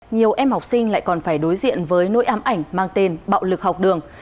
nhiều em học sinh lại còn phải đối diện với nỗi ám ảnh mang tên bạo lực học đường